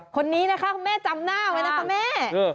คนนี้นะคะคุณแม่จำหน้าไว้นะคะแม่